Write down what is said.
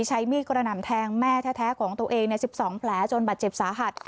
ใช้มีดกระหน่ำแทงแม่แท้ของตัวเอง๑๒แผลจนบาดเจ็บสาหัส